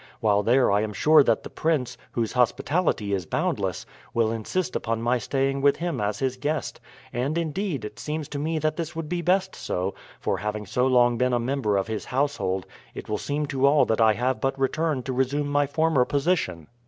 While there I am sure that the prince, whose hospitality is boundless, will insist upon my staying with him as his guest; and, indeed, it seems to me that this would be best so, for having so long been a member of his household it will seem to all that I have but returned to resume my former position."